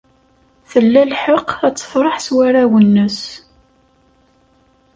Tla lḥeqq ad tefṛeḥ s warraw-nnes.